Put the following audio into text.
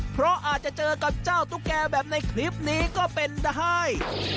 เพราะอาจจะเจอกับเจ้าตุ๊กแก่แบบในคลิปนี้ก็เป็นได้